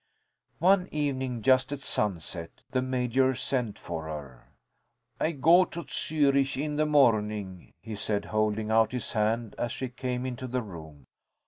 One evening, just at sunset, the Major sent for her. "I go to Zürich in the morning," he said, holding out his hand as she came into the room.